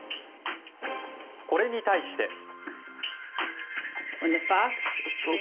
これに対して。